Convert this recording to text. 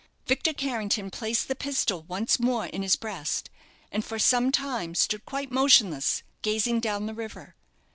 Victor Carrington placed the pistol once more in his breast, and for some time stood quite motionless gazing oh the river.